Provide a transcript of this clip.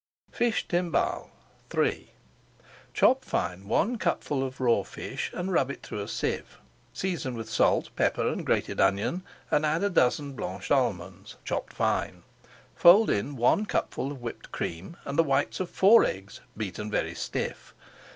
FISH TIMBALES III Chop fine one cupful of raw fish and rub it through a sieve. Season with salt, pepper, and grated onion, and add a dozen blanched almonds, chopped fine. Fold in one cupful of whipped cream and the whites of four eggs beaten very stiff.